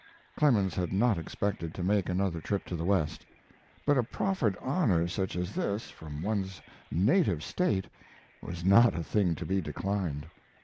Clemens had not expected to make another trip to the West, but a proffered honor such as this from one's native State was not a thing to be declined.